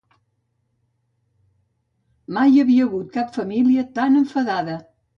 Mai hi havia hagut cap família tan enfadada!